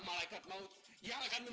tidak bu ine